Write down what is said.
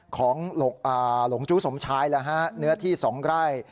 ของหลงจู้สมชายเนื้อที่๒ไร่